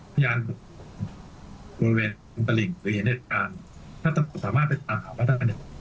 พยานบุคคลบริเวณตรงตะลิ่งหรือเนธการถ้าจะสามารถไปตามหาว่าได้